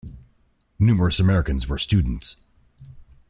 Numerous Americans were students.